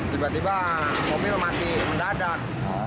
tiba tiba mobil mati mendadak